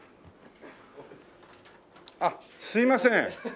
あっすみません。